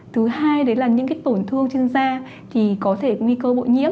thứ hai đấy là những tổn thương trên da thì có thể có nguy cơ bội nhiễm